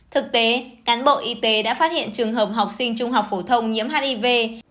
thực tế cán bộ y tế đã phát hiện trường hợp học sinh trung học phổ thông nhiễm hiv